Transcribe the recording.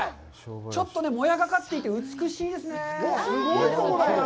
ちょっとね、もやがかっていて、美しいですね。